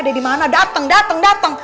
ada di mana dateng dateng dateng